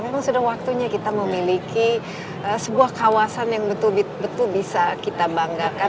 memang sudah waktunya kita memiliki sebuah kawasan yang betul betul bisa kita banggakan